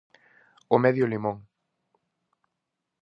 O medio limón.